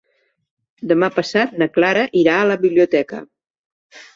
Demà passat na Clara irà a la biblioteca.